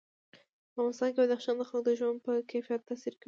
په افغانستان کې بدخشان د خلکو د ژوند په کیفیت تاثیر کوي.